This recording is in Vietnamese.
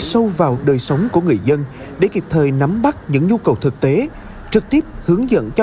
sâu vào đời sống của người dân để kịp thời nắm bắt những nhu cầu thực tế trực tiếp hướng dẫn cho